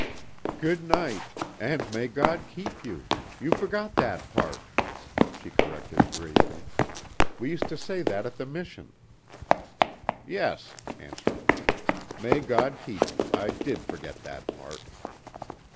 "Good night, and may God keep you. You forgot that part," she corrected, gravely, "We used to say that at the Mission." "Yes," answered Brent, "May God keep you. I did forget that part."